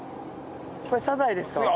これサザエですか？